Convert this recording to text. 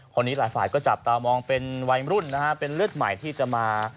หลายฝ่ายก็จับตามองเป็นวัยรุ่นนะฮะเป็นเลือดใหม่ที่จะมา